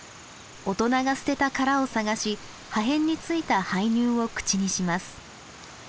大人が捨てた殻を探し破片に付いた胚乳を口にします。